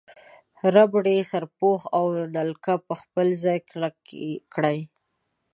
ربړي سرپوښ او نلکه په خپل ځای کې کلک کړئ.